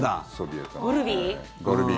ゴルビー？